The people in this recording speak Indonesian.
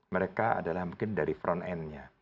mereka adalah mungkin dari front end nya